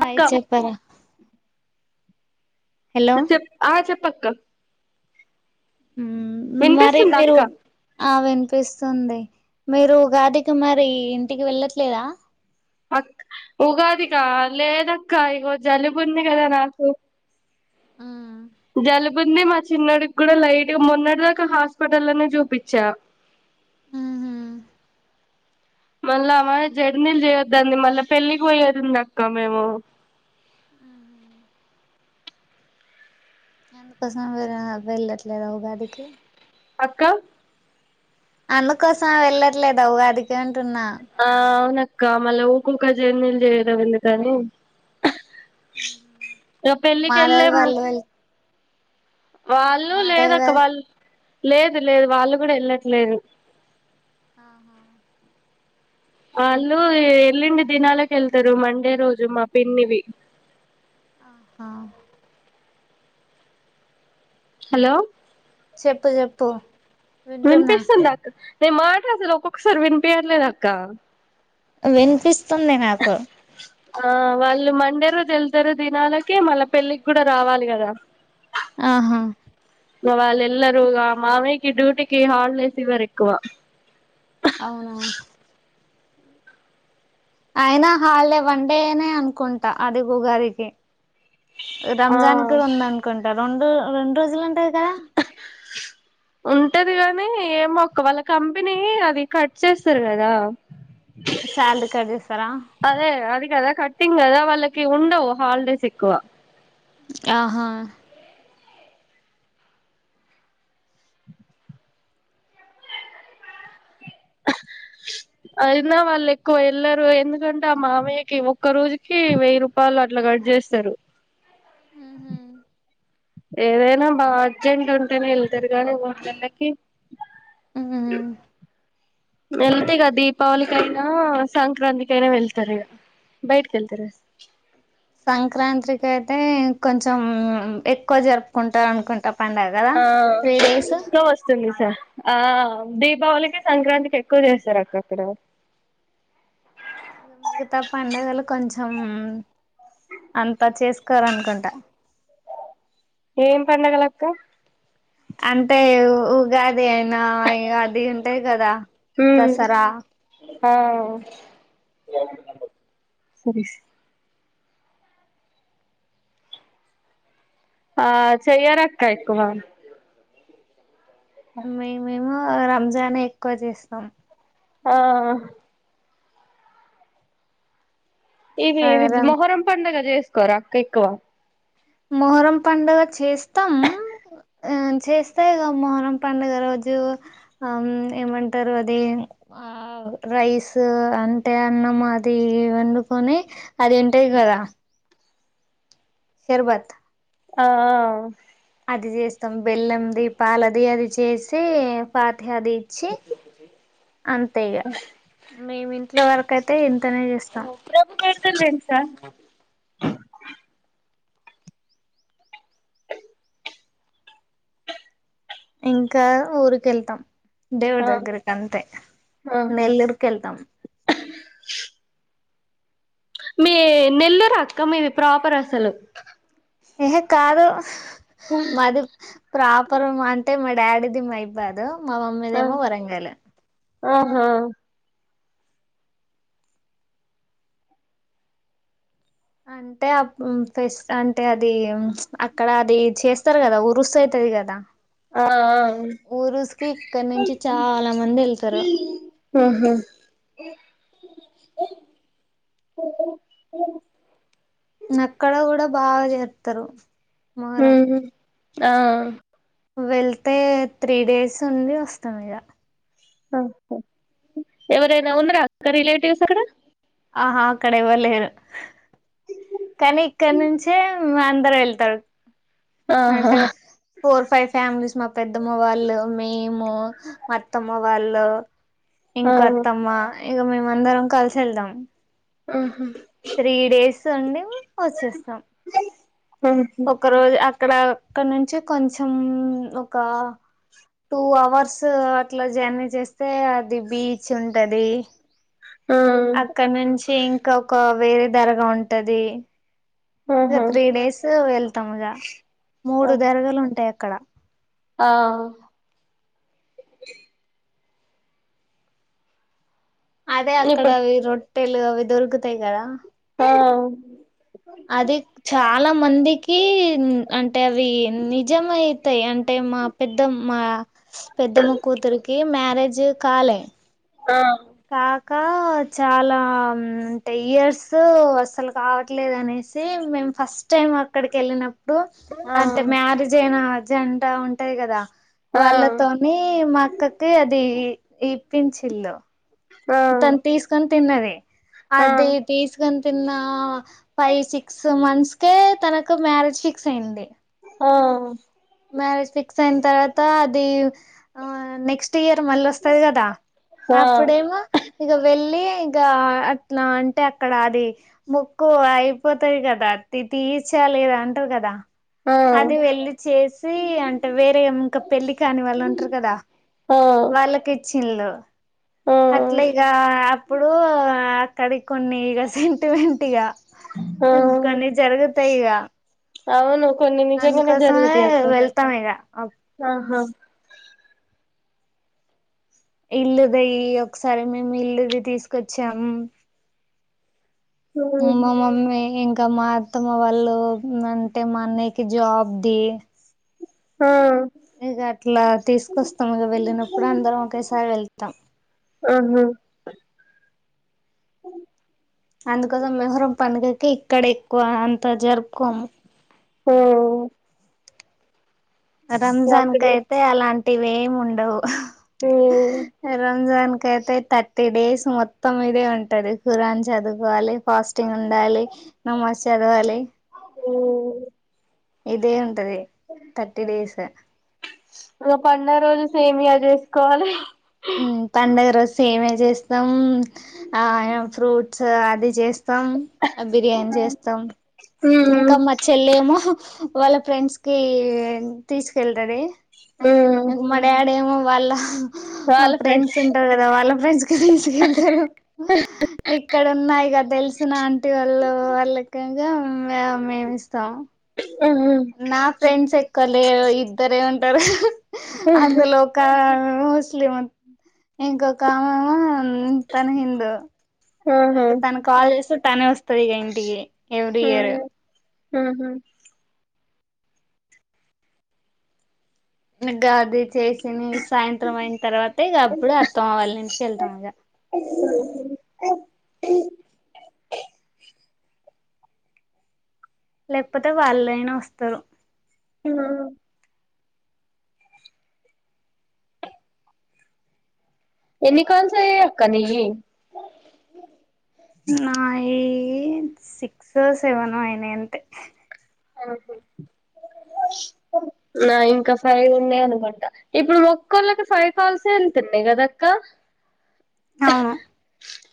Hi అక్క చెప్పరా చె చెప్ప ఆ చేప అక్క మరి వినిపిస్తుందా మీరు అక్క ఆ వినిపిస్త స్తుంది మీరు ఉగాది కి మారి ఇంటికి వెళ్ళట్లేదా అక్క ఉగాదికా లేదక్క ఇగో జలుబు ఉంది కదా నాకు ఆ జలూబ్ ఇ ముంది మా చిన్నడికి కూడా లైట్ మొన్నటిద ఒక హాస్పిటల్నే చూపించా ఉహు మళ్ళా అ జర్నీలు చేయొద్దండి మళ్ళా పెళ్లికి పోయేదింది అక్క మేము ఎందుకోసం వేర వెళ్ళట్లేద ఉగాదికి అక్క అందుకోసం వెళ్ళట్లేద ఉగాదికి అంటున్నా ఆ అవును అ మళ్ళ ఉకుకి జర్నీలు చేయడం ఎందుకని ఇంకా పెళ్లికి మాధవి వెళ్ళేము వాళ్ళు వెళ్ వాళ్ళు మాధవి లేదక్క వా వాళ్ళు లేదు లేదు వాళ్ళు కూడా వెళ్ళట్లేదు ఆహా వాళ్ళు వెళ్ళిండి దినాలకి వెళ్తారు మండే రోజు మా పిన్నివి ఆహా హలో చెప్పు చెప్పు వింటున్నా వినిపిస్తుందా అక్క నేను మాట్లాలు ఒకక్క సరి వినిపియట్లేదు అక్క వినిపిస్తుంది నాకు ఆ వాళ్ళు మండే రోజు వెళ్తారు దినాలకి మళ్ళ పెళ్ళికి కూడా రావాలి కదా ఆహా వాళ్ళు ఎల్లారు మామయ్యకి డ్యూటీకి హాలిడేస్ ఇవ్వరు ఎక్కువ అవునా అయినా హాలిడే వన్ డే నే అనుకుంటా అది ఉగాదికి ఆ రంజాన్ కూడా ఉంద అనుకుంటా రాం రెడు రోజుల త్తగా ఏమొక్క వాళ్ళ కంపెనీ అది కట్ చేస్తారు కదా శాలరీ కట్ చేస్తారా అదే అది కదా కటింగ్ కదా వాళ్ళకి ఉండవ్ హాలిడేస్ ఎక్కువ ఆహా అయినా వాళ్ళు ఎక్కువ ఎళ్లరు ఎందుకంటే ఆ మామయ్యకి ఒక్క రోజుకి వెయ్యి రూపాయలు అట్లా కట్ చేస్తారు ఏదైనా బా అర్జెంట్ ఉంటేనే వెళ్తారు గానీ మూడ్ నెల్లకి అ వెళ్తే ఇక దీపావళి కైనా సంక్రాంతికైనా వెళ్తారు ఇడ బయట్కి వెళ్తార సంక్రాంత్రికి అయితే కొంచెం ఎక్కువ జరుపుకుంటార్ అనుకుంటా పండగ కదా ఆ త్రీ డేస్ న్ లో వస్తుంది ఆ దీపావళికి సంక్రాంతికి ఎక్కువ చేస్తారు అక్కక్కడ ఇగ మిగతా పండగలు కొంచెం అంత చేసుకోర్ అనుకుంటా ఏం పండగలక్క అంటే ఉగాది అన్ నా ఇగ అది ఉంటాయి కదా దసరా ఆ సరే స్ ఆ చేయరక్క ఎక్కువ మేమె ము రంజాన్ ఎక్కువ చేస్తాం ఆ ఇది ఆ ది రం మొహరం పండుగ జెస్ కోరాక్కఎక్కువ మొహరం పండుగ చేస్తాం ఆ చేస్తే ఇగ మొహరం పండుగ రోజు ఆమ్ ఏమంటారు అది ఆ రైస్ అంటే అన్నం అది వండుకొని అదిేంటాయి గదా శర్బత్ ఆ ఆ అది చేస్తాం బెల్లంది పాలది అది చేసి పా తది ఇచ్చి అంతే ఇగా మేం ఇంట్లో వరకు అయితే ఇంతనే చేస్తాం ప్రభు బేడతలు తెలుసా ఇంకా ఊరి కెళ్తాం దేవుడ్ ఆ దగ్గర కి అంతే ఆహా మీ నెల్లురాక్క మీవి ప్రాపర్ అసలు ఏ హే కాదు మాదు ప్రాపర్ ము అంటే మా డాడీది మైబాదు మా మమ్మీ ఆ దేమో వరంగల్ ఆహా అంటే ఫస్ అంటే అది అక్కడ అది చేస్తారు కదా ఉరుస్ అయితది కదా ఆ ఊరుసుకి ఇక్కడ నుంచి చాలా మంది వెళ్తారు ఆ ఆహా ఓ నక్కడ కూడా బాగా చేత్తరు ఉ ఆ వెళ్తే త్రీ డేస్ ఉండి వస్తాం ఇగ ఎవరనా ఉన్న రా రిలేటివ్స్ అక్కడ ఆహా అక్కడ ఎవళ్లేరు కానీ ఇక్కడ నుంచే అందరు వెళ్తారు ఆహా అంటే ఫోర్ ఫైవ్ ఫ్యామిలీస్ మా పెద్దమ్మ వాళ్ళు మేము మత్తమ్మ వా వాల్లు ఆ ఇంకా అత్తమ్మ ఇగ మేము మ అందరం కలిసి వెళ్దాం ఊహు త్రీ డేస్ అండి వచ్చేస్తాం ఆహా ఒక రోజు అక్కడ అక్కడ నుంచి కొంచెం ఒక టూ అవర్స్ అట్లా జర్నీ జేస్తే అది బీచ్ ఉంటది ఆ అక్కడ నుంచి ఇంకా ఒక వేరే ధరగా ఉంటది ఇక ఆహా త్రీ డేస్ వెళ్తాం ఇగ మూడు దర్గాలు ఉంటాయి అక్కడ ఆ అదే ఇప్పుడు అక్కడవి రొడ్ తెలుగు అవి దొరుకుతాయి కదా ఆ అది చాలా మందికి కి అంటే అవి నిజమయితాయి అంటే మా పెద్ద మా పెద్దమ్మ కూతురికి మ్యారేజ్ కాలే ఆ ఇంకా చాలా అంటే ఇయర్స్ అసలు కావట్లేదు అనేసి మేము ఫస్ట్ టైం అక్కడికి యెళ్ళిన ఇప్పుడు ఆ అంటే మ్యారేజ్ అయినా జంట ఉంటాయి గదా ఆ వాళ్ళతోని మా అక్కకి అది ఇప్పించిన్లో ఆ తను తీసుకొని తిన్నది ఆ అధే తీసు కొ తిన్న ఫైవ్ సిక్స్ మంత్స్ కే తనకు మ్యారేజ్ ఫిక్స్ అయింది. ఆ మ్యారేజ్ ఫిక్స్ అయిన తర్వాత అది ఆ నెక్స్ట్ ఇయర్ మళ్ళా వస్తది కదా ఆ అప్పుడేమో ఇగ వెళ్ళి ఇగా అట్లా అంటే అక్కడ అది మొక్కు అయిపోతది కదా తి తీర్చాలి అంటరు కదా ఆ అది వెళ్లి చేసి అంటే వేరే ఇంకా పెళ్ళి కాని వాళ్ళు ఉంటరు కదా ఆ ఆ వాళ్ళకి ఇచ్చి ల్లు అట్లా ఇగ ఆ అప్పుడు కడి కొన్ని ఇగా సెంటిమెంట్ ఇగా కొకొన్నీ జరుగుతయి ఇగా అవును. కొన్ని నిజంగనే జరుగుతయి అక్కా. వెళ్తాం ఇగ ఆహా ఇల్లుదయి ఒకసారి మేము ఇల్లుది తీసుకొచ్చాం. మేమమ్మి ఇ ఇంకా మా అత్తమా వాళ్ళు అంటే మా అన్నయ్యకి జాబ్ది ఆ ఇగా అట్లా తీసుకొస్తాం ఇగ వెళ్ళినప్పుడు అందరం ఒకేసారి వెళ్తాం. ఆహా అందుకోసం మొహరం పండుగ కి ఇక్కడ ఎక్కువ అం తజర్పుకోము. ఓ రంజాన్ అక్కడే కయితే అలాం ఇవేము ఉండవు. మ్మ్ రంజాన్ కయితే థర్టీ డేస్ మొత్తం ఇదే ఉంటది ఖురాన్ చదువుకోవాలి. ఫాస్టింగ్ ఉండాలి. నమాజ్ చదవాలి. ఓ ఇదే ఉంటది థర్టీ డేస్. ఇగ పండగ రోజు సేమియా చేసుకోవాలి. హ్ పండుగ రోజు సేమియా చేస్తాం. ఆ ఫ్రూట్స్ అది చేస్తాం, బిర్యానీ చేస్తాం. మ్మ్ ఇంకా మ చెల్లెమో వాళ్ళ ఫ్రెండ్స్ కి తీసుకెళ్తది. [inaudible] ఇగ మాడాడేమో వాళ్ళా ఆ ఫ్రెండ్స్ ఉంటరు కదా వాళ్ళ ఫ్రెండ్స్ కి తీసుకెళ్తరు ఎక్కడ ఉన్నాయి కదా తె సునా అంటే వాళ్ళు వాళ్ళకేమీ మేమే ఇస్తాం మ్మ్ నా ఫ్రెండ్స్ ఎక్కువ్ లేరు ఇద్దరే ఉ ంటారు అందులో ఒక ముస్లీమ్ ఇంకోకామా మ్మ్ తను హిందు ఆహా ఇగ తన కాల్ సుట్టనే వస్తది ఇక ఇంటికి ఎవ్రీ ఇయరు మ్మ్ హ్మ్ ఇంక అదే చేసి తినేసి సాయంత్రం అయిన తర్వాత ఇక అప్పుడు అత్తమ్మ వాళ్ళ ఇంటికి వెళ్తాం ఇక అ లేకపోతే వాళ్ళయినా వస్తారు ఎవరు ఎన్ని కాల్స్ అయ్యాయక్క నీవి నాయి సిక్సో, సెవెనో అయినాయి అంతే నావి ఇంకా ఫైవ్ ఉన్నాయి అనుకుంటా ఇప్పుడు ఒక్కళ్ళకి ఫైవ్ కాల్సే వెళ్తున్నాయి కదక్క అవును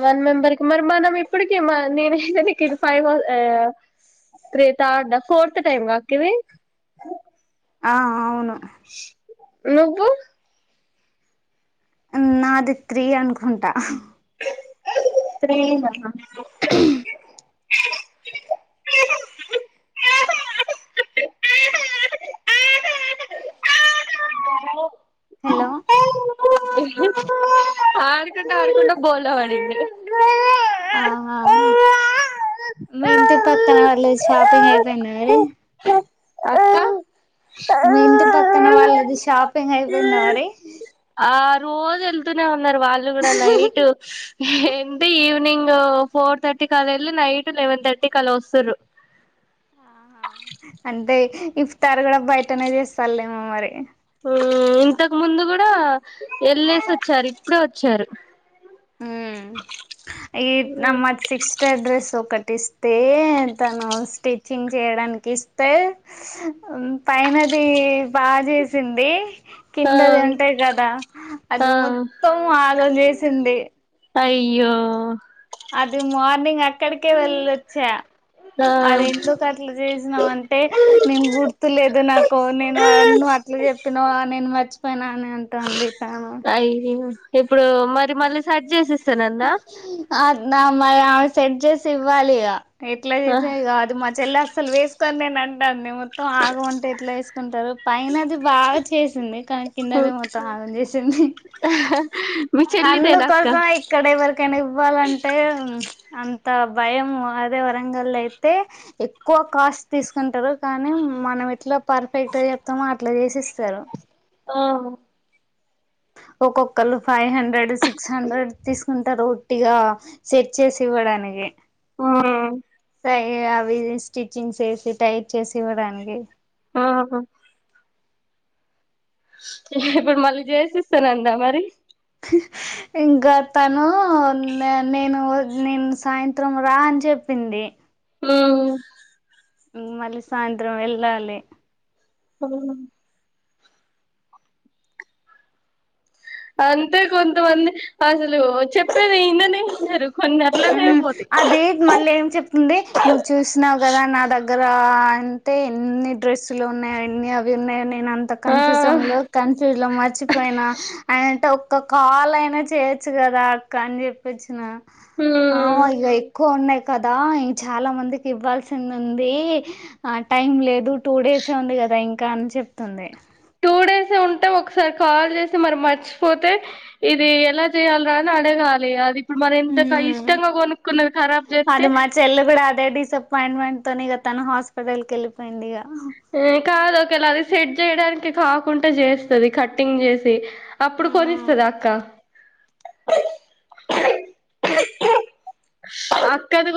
వన్ మెంబర్కిి మరి మనం ఇప్పటికి మరి నేను ఇప్పటికి five, three third fourth time మాకిది ఆ అవును నువ్వు నాది త్రీ అనుకుంటా త్రీ యేన ఇంకా హలో ఆడుకుంట ఆడుకుంట బోల్తా పడిండు అ ఆ మీ ఇంటి పక్కవాళ్ళది షాపింగ్ అయిపోయిందా మరి అక్క మీ ఇంటి పక్కన వాళ్ళది షాపింగ్ అయిపోయిందా మరి ఆ రోజు వెళతునే ఉన్నారు వాళ్ళు కూడా నైట్ ఏంటి ఈవినింగ్ ఫోర్ థర్టీకి అలా వెళ్ళి నైట్ లెవెన్ థర్టీకి అలా వస్తారు ఆహా అంటే ఇఫ్తారు కూడా బయటనే చేస్తారులేమో మరి ఇంతకు ముందు కూడా వెళ్ళేసి వచ్చారు ఇప్పుడే వచ్చారు ఏక్ నమ్మక్ సిక్స్ట్ అడ్రెస్ ఒకటిస్త తే అతను స్టిచ్చింగ్ చేయడానికి ఇస్తే పైనది బా చేసింది ఆ కిందది ఉంటాయి కదా ఆ అది మొత్తం ఆగం చేసింది అయ్యో అది మార్నింగ్ అక్కడికే వెళ్లొచ్చా ఆ అది ఎందుకు అట్లా చేసినావ్ అంటే నేను గుర్తులేదు నాకు నేను నువు అట్లు చెప్పినావ్ నేను మ మర్చిపోయిన అని అంటాంది తను అయ్యో ఇప్పుడు మరి మళ్ళీ సజ్ జసిస్ తనంద నా మరి ఆమె సెట్ జేసి ఇవ్వాలిగా ఎట్లా చేసేవి కాదు మా చెల్లి అస్సలు వేసుకొని నేను అం అంటాంది మొ మొత్తం ఆగమంటే ఎట్లా వేసుకుంటారు పైన అది బాగా చేసింది కానీ కిందనే మొత్తం ఆగం చేసింది మీ చెల్లిదేనా అక్క అందుకోసమె ఎవరికైనా ఇవ్వాలంటే అం అంత భయం అదే వరంగల్లో అయితే ఎక్కువ కాస్ట్ తీసుకుంటారు కానీ మనం ఎట్లా పర్ఫెక్ట్ గా చెప్తామో అట్లా చేసి ఇస్తారు ఆ ఒక్కొక్కళ్ళు five hundred sick six hundred తీసుకుం టారు ఉట్టిగా సెడ్ చేసి ఇవ్వడానికి సై ఏఅవి స్టిచ్చింగ్ చేసి టైట్ చేసి ఇవ్వడానికి ఆ హ ఇప్పుడు మళ్ళీ చేసిస్తానందా మరి ఇంకా తను నేను నేను సాయంత్రం రా అని చెప్పింది ఉ మళ్ళీ సాయంత్రం వెళ్ళాలి అవున అంతే కొంతమంది అసలు చెప్పేది ఇననే ఇనరు ఉ అది మళ్ళీ ఏం చెప్తుంది నువ్వు చేస్ చేసినావు కదా నా దగ్గర అంటే ఎన్ని డ్రెస్సులు ఉన్నాయ ఎన్ని అవి ఉన్నాయని నేను అంత ఆ కన్ఫ్యూజమ్ లొ కన్ఫ్యూజ్ లో మ మర్చిపోయినా అయనటో ఒక్క కాల్ అయినా చేయొచ్చు కదా అక్క అని చెప్పొచ్చిన ఆ మ్మ్ ఇగ ఎక్కు కదా ఇంగ్ చాలా మందికి ఇవ్వాల్సింది ఉంది ఆ టైం లేదు టూ డేసే ఉంది కదా ఇంకా అని చెప్తుంది టు డేస్ ఉంటే ఒకసారి కాల్ చేసి మరి మర్చిపోతే ఇది ఎలా చేయాలరా అని అడగాలి అది ఇప్పుడు మర ఇంత క హ్మ్. ఇష్టంగా కొనుక్కున్నది ఖరాబ్ చేస్తే అది మా చెల్లి కూడా అదే డిస్సప్పాయింట్మెంట్ తోని ఇక తన హాస్పిటల్ క వెళ్ళిపోయింది ఇగ ఏ కాదు ఒక ఏళ అది సేట్ జేయడానికి కాకుంట చేస్తది కట్టింగ్ చేసి అప్పుడు ఆ కొనిస్తద అక్క అక్కది కూడా